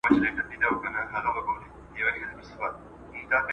د قوانینو رعایتول د ټولو دنده ده.